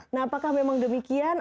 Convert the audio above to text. nah apakah memang demikian